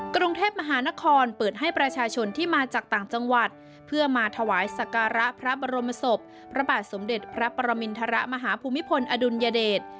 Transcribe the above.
กรุงเทพมหานครเปิดให้ประชาชนที่มาจากต่างจังหวัดเพื่อมาถวายสการะพระบรมศพพระบาทสมเด็จพระปรมินทรมาฮภูมิพลอดุลยเดช